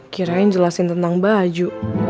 kirain jelasin tentang baju